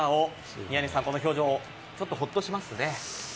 宮根さん、この表情ちょっとほっとしますね。